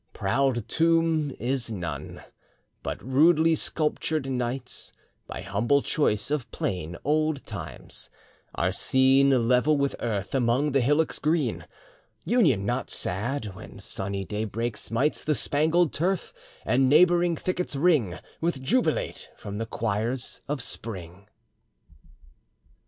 Proud tomb is none; but rudely sculptured knights, By humble choice of plain old times, are seen 10 Level with earth, among the hillocks green: Union not sad, when sunny daybreak smites The spangled turf, and neighbouring thickets ring With jubilate from the choirs of spring!